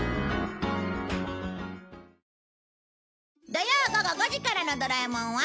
土曜午後５時からの『ドラえもん』は